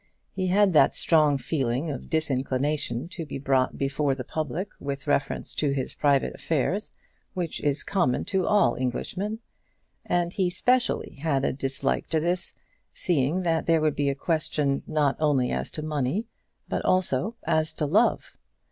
He had that strong feeling of disinclination to be brought before the public with reference to his private affairs, which is common to all Englishmen; and he specially had a dislike to this, seeing that there would be a question not only as to money, but also as to love.